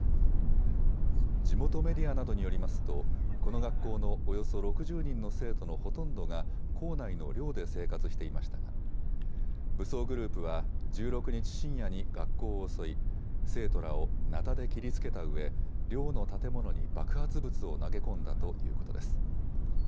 地元メディアなどによりますとこの学校のおよそ６０人の生徒のほとんどが校内の寮で生活していましたが武装グループは１６日深夜に学校を襲い生徒らをなたで切りつけたうえ寮の建物に爆発物を投げ込んだということです。